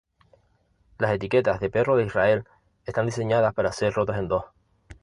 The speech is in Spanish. Las etiquetas de perro de Israel están diseñadas para ser rotas en dos.